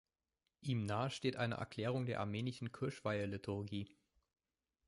Ihm nahe steht eine Erklärung der armenischen Kirchweihe-Liturgie.